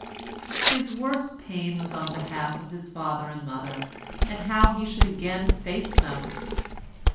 His worst pain was on behalf of his father and mother, and how he should again face them.